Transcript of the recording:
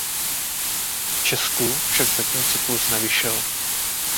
V Česku však zatím cyklus nevyšel.